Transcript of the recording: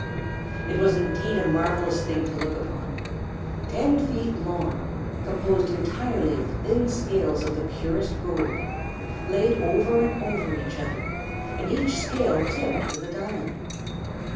It was, indeed, a marvellous thing to look upon. Ten feet long, composed entirely of thin scales of the purest gold, laid over and over each other, and each scale tipped with a diamond.